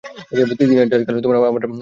তিনি আর আজকাল আমার বক্তৃতায় আসেন না।